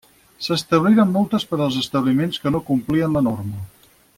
S'establiren multes per als establiments que no complien la norma.